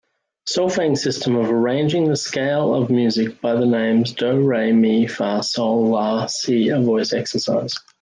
Solfaing system of arranging the scale of music by the names do, re, mi, fa, sol, la, si a voice exercise.